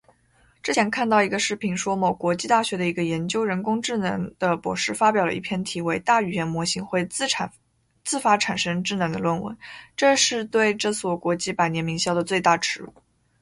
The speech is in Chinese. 之前看到一个视频说某国际大学一个研究人工智能的博士发表了一篇题为:大语言模型会自发产生智能的论文，这是对这所国际百年名校的最大侮辱